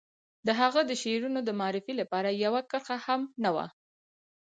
د هغه د شعرونو د معرفي لپاره يوه کرښه هم نه وه.